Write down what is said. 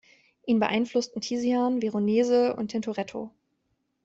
Ihn beeinflussten Tizian, Veronese und Tintoretto.